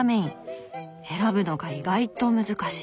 選ぶのが意外と難しい。